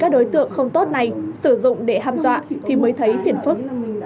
các đối tượng không tốt này sử dụng để hăm dọa thì mới thấy phiền phức